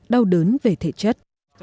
đau đớn về thể chất